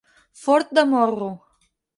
Fort de morro.